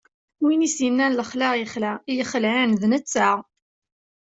Win i s-innan lexla ixla, i yexlan d netta.